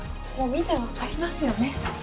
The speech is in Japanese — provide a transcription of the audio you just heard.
見て分かりますよね。